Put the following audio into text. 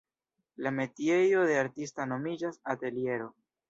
La metiejo de artista nomiĝas ateliero.